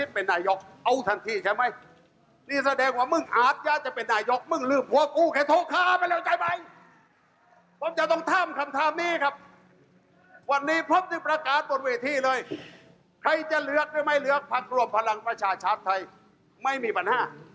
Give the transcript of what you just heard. ภักดิ์รวมพลังประชาชาธิ์ไทยไม่มีปัญหา